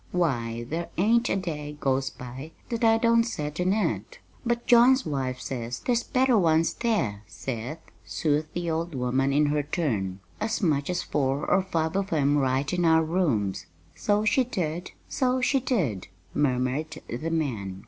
Why, there ain't a day goes by that I don't set in it!" "But John's wife says there's better ones there, Seth," soothed the old woman in her turn, "as much as four or five of 'em right in our rooms." "So she did, so she did!" murmured the man.